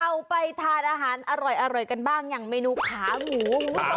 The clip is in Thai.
เอาไปทานอาหารอร่อยกันบ้างอย่างเมนูขาหมู